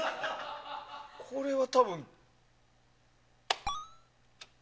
これは多分。